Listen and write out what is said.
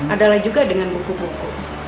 adalah juga dengan buku buku